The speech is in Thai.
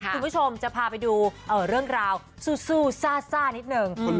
คุณผู้ชมจะพาไปดูเรื่องราวสู้ซ่านิดนึง